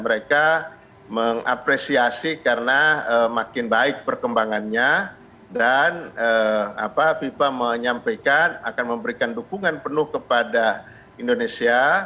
mereka mengapresiasi karena makin baik perkembangannya dan fifa menyampaikan akan memberikan dukungan penuh kepada indonesia